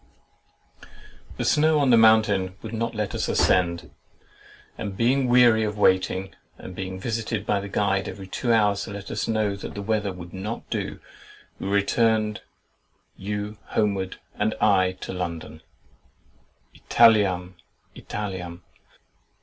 The snow on the mountain would not let us ascend; and being weary of waiting and of being visited by the guide every two hours to let us know that the weather would not do, we returned, you homewards, and I to London— "Italiam, Italiam!"